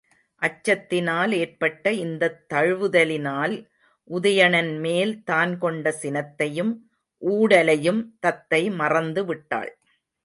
அச்சத்தினால் ஏற்பட்ட இந்தத் தழுவுதலினால் உதயணன்மேல் தான் கொண்ட சினத்தையும் ஊடலையும் தத்தை மறந்துவிட்டாள்.